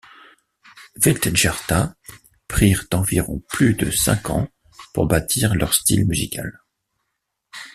Vildhjarta prirent environ plus de cinq ans pour bâtir leur style musical.